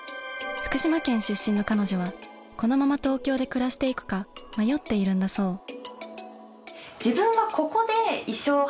福島県出身の彼女はこのまま東京で暮らしていくか迷っているんだそう。